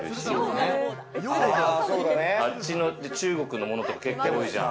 中国のものとか結構多いじゃん。